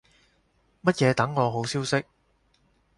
乜嘢等我好消息